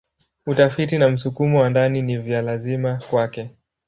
Utafiti na msukumo wa ndani ni vya lazima kwake.